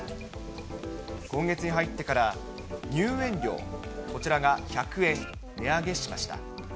今月に入ってから入園料、こちらが１００円値上げしました。